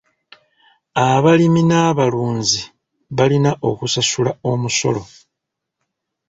Abalimi n'abalunzi balina okusasula omusolo.